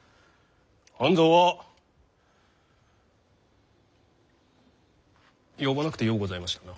半蔵は呼ばなくてようございましたな。